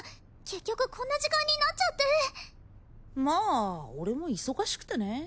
結局こんな時間になっちゃってまあ俺も忙しくてね